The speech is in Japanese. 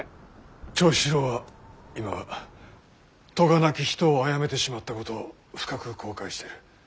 長七郎は今は咎なき人を殺めてしまったことを深く後悔している。